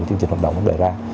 của chương trình hoạt động đề ra